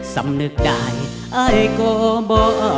สำนึกได้ไอ้ก่อบ่อ